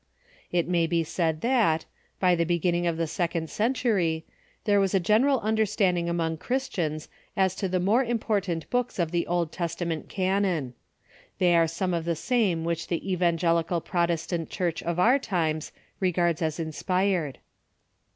It may be said that, by the beginning of the second century, there was a general understanding among Christians as to the more important books of the Old Testament canon. They are the same which the evangelical Protestant Church of our times regards as in spired.